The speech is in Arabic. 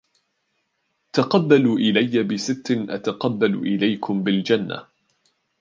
تَقَبَّلُوا إلَيَّ بِسِتٍّ أَتَقَبَّلُ إلَيْكُمْ بِالْجَنَّةِ